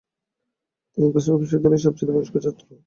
তিনি গোসপিক বিশ্ববিদ্যালয় এর সবচাইতে বয়স্ক ছাত্র।